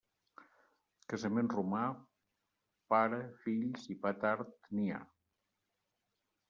Casament romà, pare, fills i pa tard n'hi ha.